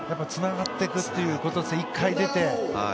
つながってくっていうことですね、１回出て。